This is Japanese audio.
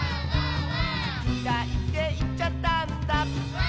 「きらいっていっちゃったんだ」